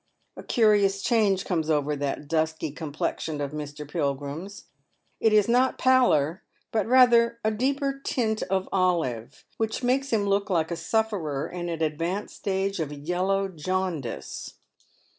A curious change comes over that dusky complexion of Mr. Pilgrim's. It is not pallor, but rather a deeper tint of olive, which makes him look like a sufferer in an advanced stage of yellow jaundice.